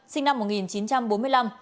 sinh năm một nghìn chín trăm bốn mươi năm